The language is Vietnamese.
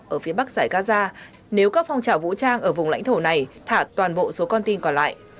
ở phía bắc giải gaza nếu các phong trào vũ trang ở vùng lãnh thổ này thả toàn bộ số con tin còn lại